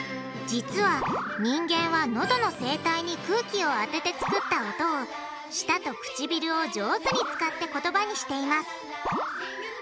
実は人間はノドの声帯に空気を当てて作った音を舌と唇を上手に使って言葉にしています。